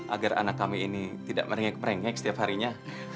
agar anak kami ini tidak merengek merengek setiap harinya